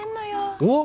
お！